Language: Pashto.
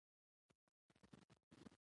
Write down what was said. افغانستان د ځنګلونه د ساتنې لپاره قوانین لري.